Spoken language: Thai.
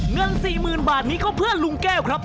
เงิน๔๐๐๐บาทนี้ก็เพื่อลุงแก้วครับ